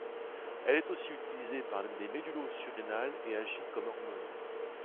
Elle est aussi libérée par les médullosurrénales et agit comme hormone.